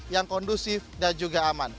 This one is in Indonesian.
yang kondusif dan juga aman